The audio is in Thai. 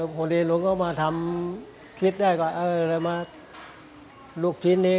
คงดีลุงก็มาทำคิดได้ก่อนเลยมาลุกชิ้นนี้